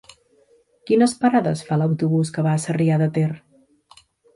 Quines parades fa l'autobús que va a Sarrià de Ter?